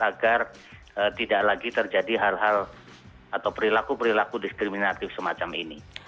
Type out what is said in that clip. agar tidak lagi terjadi hal hal atau perilaku perilaku diskriminatif semacam ini